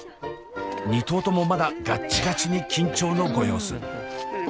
２頭ともまだガッチガチに緊張のご様子。